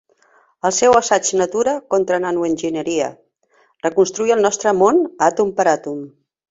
El seu assaig Natura contra nanoenginyeria: reconstruir el nostre món àtom per àtom.